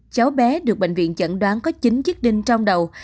cháu bé được bệnh viện chẩn đoán có chín chiếc đinh trong đầu